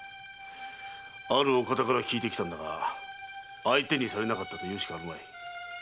あるお方から聞いてきたのだが「相手にされなかった」と言うしかあるまい。